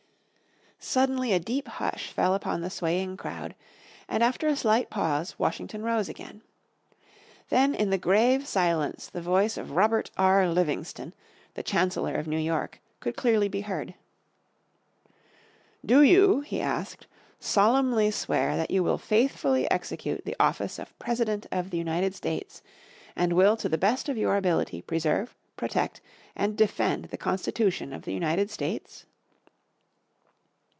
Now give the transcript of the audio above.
Suddenly a deep hush fell upon the swaying crowd and after a slight pause Washington rose again. Then in the grave silence the voice of Robert R. Livingston, the Chancellor of New York, could clearly be heard. "Do you," he asked, "solemnly swear that you will faithfully execute the office of President of the United States, and will to the best of your ability preserve, protect and defend the Constitution of the United States?"